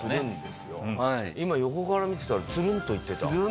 今横から見てたらつるんといってた。